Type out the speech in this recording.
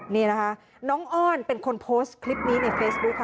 นี่นะคะน้องอ้อนเป็นคนโพสต์คลิปนี้ในเฟซบุ๊คค่ะ